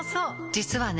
実はね